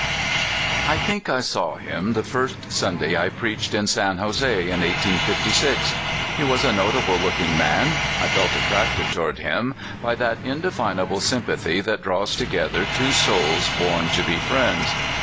I THINK I saw him the first Sunday I preached in San Jose, in 1856. He was a notable look ing man. I felt attracted toward him by that in definable .sympathy that draws together two souls born to be friends.